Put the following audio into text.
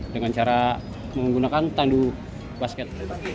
dengan cara menggunakan tandu basket